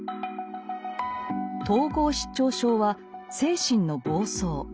統合失調症は精神の暴走。